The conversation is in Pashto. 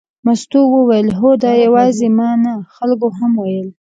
مستو وویل هو، خو دا یوازې ما نه خلکو هم ویل.